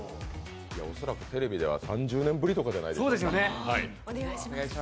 恐らくテレビでは３０年ぶりとかじゃないですか。